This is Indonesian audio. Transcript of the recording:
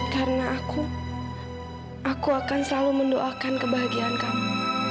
karena aku aku akan selalu mendoakan kebahagiaan kamu